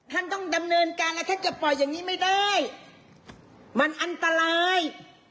ท่านก็ต้องการทำเนินการและท่านจะไปอย่างนี้ไม่ได้มันอันตราย